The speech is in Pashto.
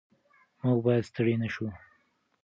موږ باید ستړي نه شو.